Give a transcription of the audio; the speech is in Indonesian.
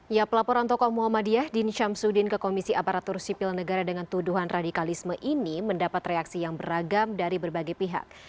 ya pelaporan tokoh muhammadiyah din syamsuddin ke komisi aparatur sipil negara dengan tuduhan radikalisme ini mendapat reaksi yang beragam dari berbagai pihak